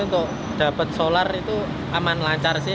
untuk dapat solar itu aman lancar sih